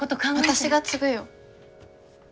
私が継ぐよ。